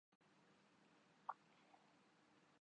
جائیں تو جائیں کہاں؟